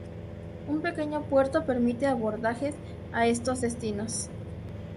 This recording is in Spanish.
Un pequeño puerto permite abordajes a estos destinos.